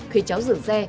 khi cháu dừng xe